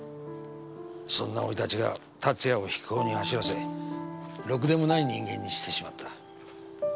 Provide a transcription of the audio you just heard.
そんな生い立ちが龍哉を非行に走らせろくでもない人間にしてしまった。